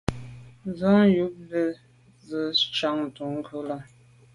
Nson yub ju ze Njantùn ghù là.